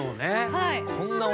はい。